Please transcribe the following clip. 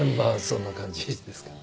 そんな感じですか。